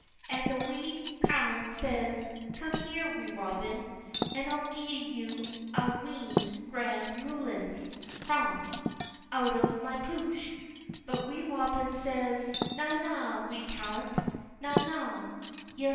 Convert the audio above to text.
And the wee callant says: "Come here, Wee Robin, and I'll gie ye a wheen grand moolins (crumbs) out o' my pooch." But Wee Robin says: "Na, na! wee callant, na, na!